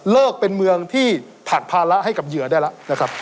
เป็นเมืองที่ผลักภาระให้กับเหยื่อได้แล้วนะครับ